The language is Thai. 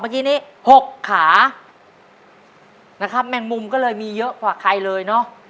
เมื่อกี้นี้หกขานะครับแมงมุมก็เลยมีเยอะกว่าใครเลยเนอะ